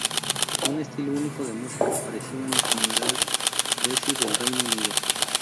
Un estilo único de música apareció en las comunidades desi del Reino Unido.